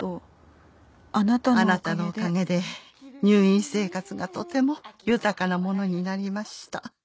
「あなたのおかげで入院生活がとても豊かなものになりました」